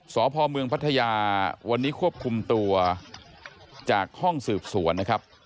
สพพัทยาวันนี้ควบคุมตัวจากห้องสืบสวน